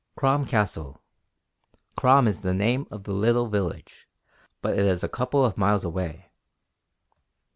"Crom Castle. Crom is the name of the little village, but it is a couple of miles away."